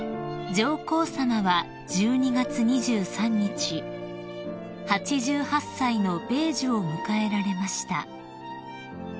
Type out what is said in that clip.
［上皇さまは１２月２３日８８歳の米寿を迎えられました］